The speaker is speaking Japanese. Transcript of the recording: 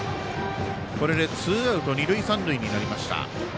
これでツーアウト二、三塁になりました。